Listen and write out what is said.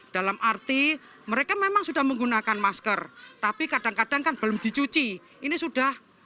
dalam arti mereka memang sudah menggunakan masker tapi kadang kadang kan belum dicuci ini sudah